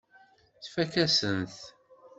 Tfakk-asen-t.